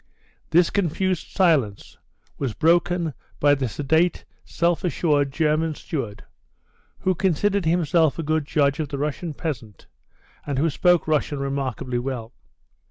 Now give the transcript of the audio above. This confused silence was broken by the sedate, self assured German steward, who considered himself a good judge of the Russian peasant, and who spoke Russian remarkably well.